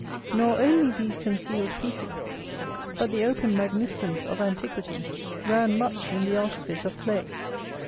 Nor only these concealed pieces, but the open magnificence of antiquity, ran much in the artifice of clay.